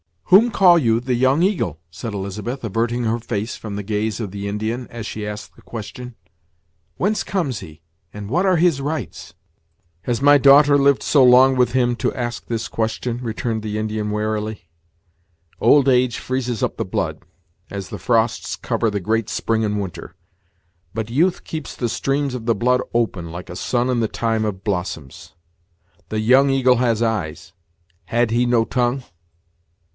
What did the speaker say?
"Whom call you the Young Eagle?" said Elizabeth, averting her face from the gaze of the Indian, as she asked the question; "whence comes he, and what are his rights?" "Has my daughter lived so long with him to ask this question?" returned the Indian warily. "Old age freezes up the blood, as the frosts cover the great spring in winter; but youth keeps the streams of the blood open like a sun in the time of blossoms. The Young Eagle has eyes; had he no tongue?"